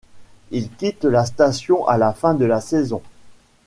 Il quitte la station à la fin de la saison.